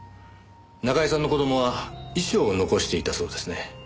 中居さんの子供は遺書を残していたそうですね。